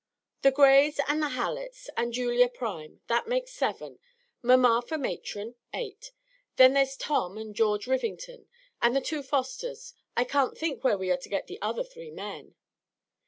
"The Grays and the Halletts, and Julia Prime, that makes seven; mamma for matron, eight; then there's Tom and George Rivington, and the two Fosters. I can't think where we are to get the other three men."